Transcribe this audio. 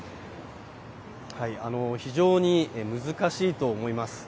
非常に難しいと思います。